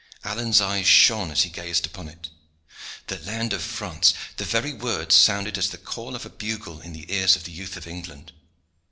Alleyne's eyes shone as he gazed upon it. The land of France! the very words sounded as the call of a bugle in the ears of the youth of England.